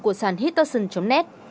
của sản hittoxin net